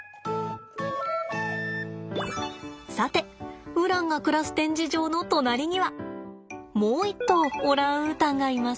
さてウランが暮らす展示場の隣にはもう一頭オランウータンがいます。